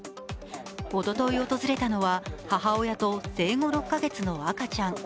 おととい訪れたのは母親と生後６カ月の赤ちゃん。